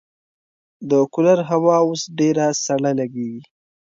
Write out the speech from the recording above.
د کولر هوا اوس ډېره سړه لګېږي.